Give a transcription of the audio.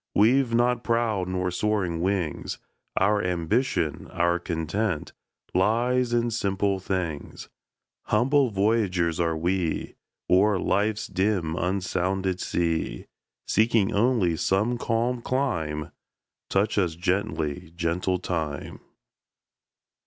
We've not proud nor soaring wings; Our ambition, our content, Lies in simple things. Humble voyagers are we, O'er life's dim unsounded sea, Seeking only some calm clime; Touch us gently, gentle Time!